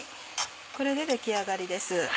これで出来上がりです。